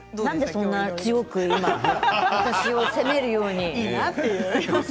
なんでそんな強く私を責めるように。